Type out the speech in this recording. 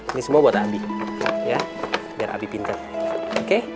ini semua buat ambi ya biar abi pinter oke